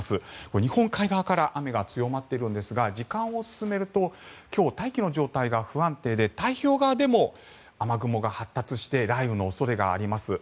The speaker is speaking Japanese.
日本海側から雨が強まっているんですが時間を進めると今日、大気の状態が不安定で太平洋側でも雨雲が発達して雷雨の恐れがあります。